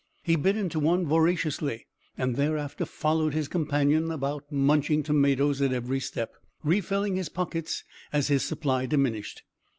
He bit into one voraciously, and thereafter followed his companion about munching tomatoes at every step, refilling his pockets as his supply diminished.